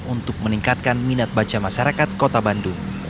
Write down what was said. untuk meningkatkan minat baca masyarakat kota bandung